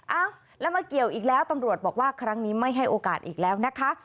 เอ้าแล้วมาเกี่ยวอีกแล้วตำรวจบอกว่าครั้งนี้ไม่ให้โอกาสอีกแล้วนะคะ